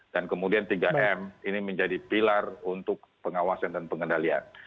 dan kemudian tiga m ini menjadi pilar untuk pengawasan dan pengendalian